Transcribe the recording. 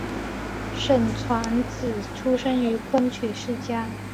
沈传芷出生于昆曲世家。